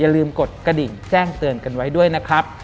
ลืมกดกระดิ่งแจ้งเตือนกันไว้ด้วยนะครับ